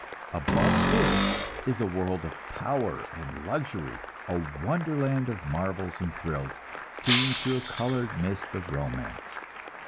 Above this is a world of power and luxury, a wonderland of marvels and thrills, seen through a colored mist of romance.